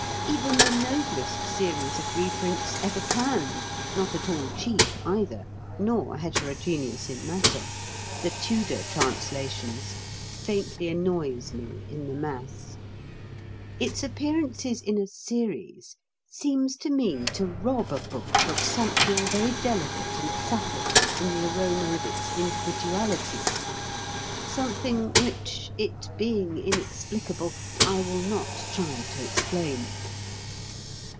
Even the noblest series of reprints ever planned (not at all cheap, either, nor heterogeneous in matter), the Tudor Translations, faintly annoys me in the mass. Its appearances in a series seems to me to rob a book of something very delicate and subtle in the aroma of its individuality something which, it being inexplicable, I will not try to explain.